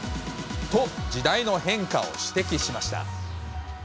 と、時代の変化を指摘しました。